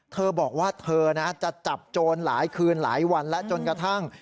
เธอบอกว่าเธอนะจะจับโจรหลายคืนหลายวันแล้วจนกระทั่ง